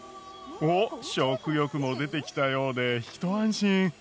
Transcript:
おっ食欲も出てきたようで一安心。